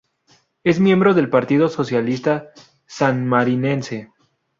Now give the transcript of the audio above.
Es miembro del Partido Socialista Sanmarinense.